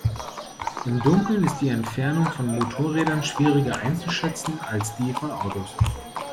Im Dunkeln ist die Entfernung von Motorrädern schwieriger einzuschätzen, als die von Autos.